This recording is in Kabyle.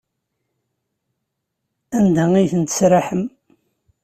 Anda ay tent-tesraḥem?